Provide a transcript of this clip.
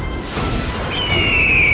jangan berani kurang ajar padaku